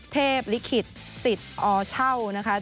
เทพลิขิตศิษย์เอาเช่านะคะ